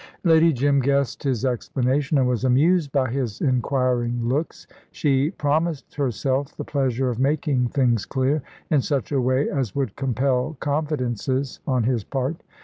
Lady Jim guessed his explanation, and was amused by his inquiring looks. She promised herself the pleasure of making things clear, in such a way as would compel confidences on his part.